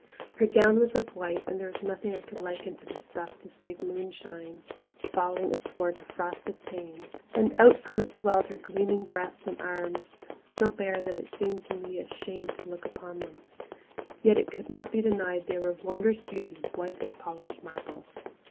Her gown was of white, and there was nothing I could liken the stuff to save moonshine falling athwart a frosted pane, and out from it swelled her gleaming breast and arms, so bare that it seemed to me a shame to look upon them. Yet it could not be denied they were of wondrous beauty, white as polished marble.